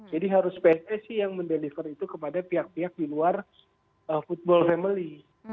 jadi harus psst yang mendeliver itu kepada pihak pihak di luar football family